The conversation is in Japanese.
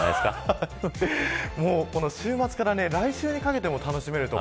この週末から来週にかけても楽しめる所